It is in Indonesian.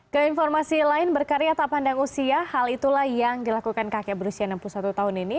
keinformasi lain berkarya tak pandang usia hal itulah yang dilakukan kakek berusia enam puluh satu tahun ini